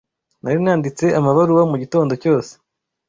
Nari nanditse amabaruwa mugitondo cyose.